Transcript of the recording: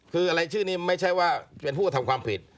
คืออะไรชื่อนี้ไม่ใช่ว่าเป็นผู้กระทำความผิด